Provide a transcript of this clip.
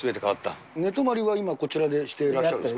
寝泊まりは今、こちらでしていらっしゃる？